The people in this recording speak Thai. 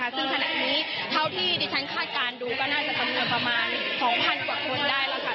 ซึ่งขณะนี้เท่าที่ดิฉันคาดการณ์ดูก็น่าจะจำนวนประมาณ๒๐๐กว่าคนได้แล้วค่ะ